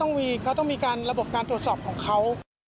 อันนี้เขาต้องมีการระบบการตรวจสอบของเขา